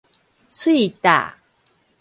喙罩